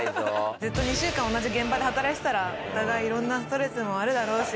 ずっと２週間同じ現場で働いてたらお互い色んなストレスもあるだろうし。